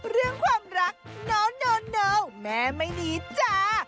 เรื่องความรักโน่นแม่ไม่ดีจ้า